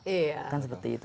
jadi kita mengharapkan itu